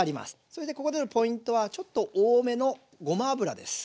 それでここでのポイントはちょっと多めのごま油です。